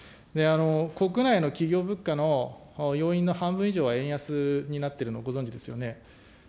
国内の企業物価の要因の半分以上は円安になっているのをご存じですよね。